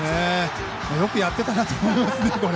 よくやってたなと思いますね。